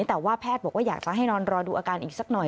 แต่ว่าแพทย์บอกว่าอยากจะให้นอนรอดูอาการอีกสักหน่อย